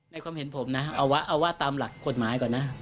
ความเห็นผมนะเอาว่าตามหลักกฎหมายก่อนนะ